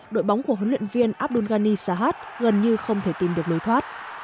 đội bóng của huấn luyện viên abdul ghani sahat gần như không thể tìm được lối thoát